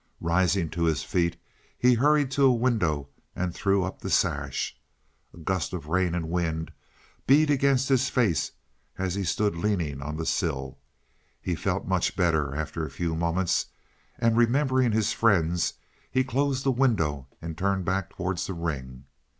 Rising to his feet, he hurried to a window and threw up the sash. A gust of rain and wind beat against his face as he stood leaning on the sill. He felt much better after a few moments; and remembering his friends, he closed the window and turned back towards the ring.